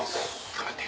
頑張って。